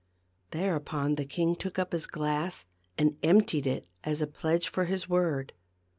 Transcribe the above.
Thereupon the king took up his glass and emptied it as a pledge for his word.